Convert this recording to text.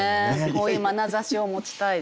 こういうまなざしを持ちたいです。